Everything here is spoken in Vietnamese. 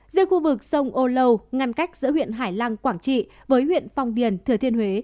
riêng khu vực sông âu lâu ngăn cách giữa huyện hải lăng quảng trị với huyện phong điền thừa thiên huế